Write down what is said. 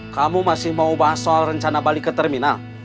kamu masih mau bahas soal rencana balik ke terminal